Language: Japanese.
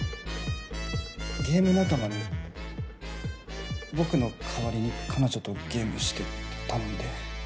ゲーム仲間に僕の代わりに彼女とゲームしてって頼んで。